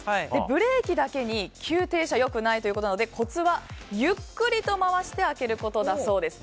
ブレーキだけに急停車はよくないということでコツは、ゆっくりと回して開けることだそうです。